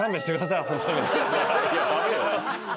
いやダメよ。